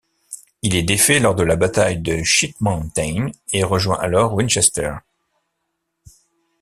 Il est défait lors de la bataille de Cheat Moutain et rejoint alors Winchester.